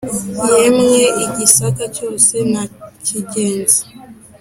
yemwe i gisaka cyose nakigenze